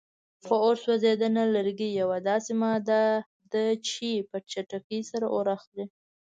په اور سوځېدنه: لرګي یوه داسې ماده ده چې په چټکۍ سره اور اخلي.